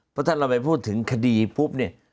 เพราะถ้าเราไปพูดถึงคดีปุ๊บเนี่ย